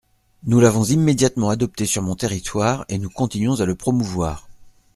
Nous l’avons immédiatement adopté sur mon territoire, et nous continuons à le promouvoir.